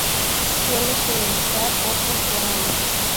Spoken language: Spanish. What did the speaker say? Suele colonizar otros corales.